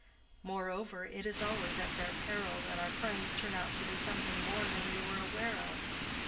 Moreover, it is always at their peril that our friends turn out to be something more than we were aware of.